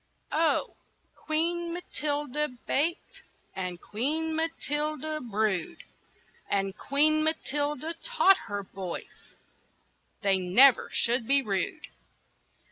OH! Queen Matilda baked, And Queen Matilda brewed; And Queen Matilda taught her boys They never should be rude.